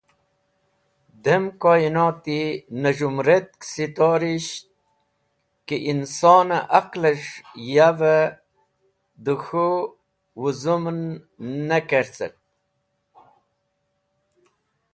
Dem koyinoti nẽz̃hũmũretk storisht ki insoni aqles̃h yav dẽ k̃hat wũzũmn ne kecert (bas wizit)